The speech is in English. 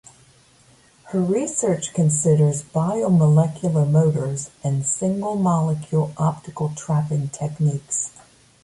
Her research considers biomolecular motors and single molecule optical trapping techniques.